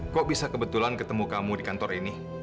kok bisa kebetulan ketemu kamu di kantor ini